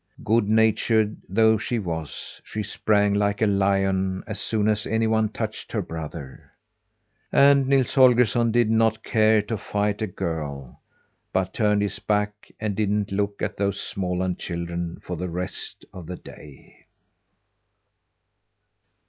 Good natured though she was, she sprang like a lion as soon as anyone touched her brother. And Nils Holgersson did not care to fight a girl, but turned his back, and didn't look at those Småland children for the rest of the day.